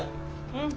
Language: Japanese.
うん。